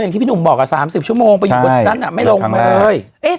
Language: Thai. อย่างที่พี่หนุ่มบอกอะ๓๐ชั่วโมงไปอยู่ข้างบนนั้นอะไม่ลงมันเลย